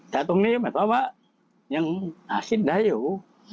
แต่ตรงนี้หมายความว่ายังน่าคิดได้อยู่